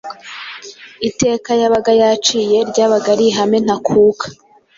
Iteka yabaga yaciye ryabaga ari ihame ntakuka,